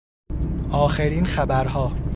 آخرین خبرها